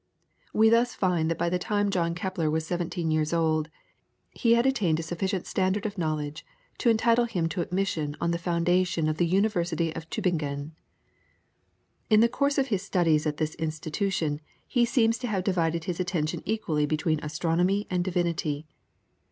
We thus find that by the time John Kepler was seventeen years old he had attained a sufficient standard of knowledge to entitle him to admission on the foundation of the University at Tubingen. In the course of his studies at this institution he seems to have divided his attention equally between astronomy and divinity.